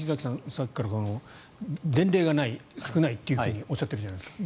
さっきから前例がない、少ないとおっしゃっているじゃないですか